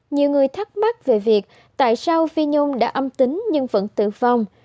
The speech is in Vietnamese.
nhiều người thắc mắc về việc tại sao phi nhôm đã âm tính nhưng vẫn tử vong